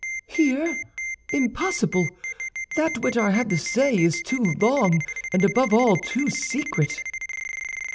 "Here? Impossible! That which I have to say is too long, and above all, too secret."